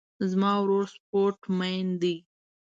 زما ورور سپورټ مین ده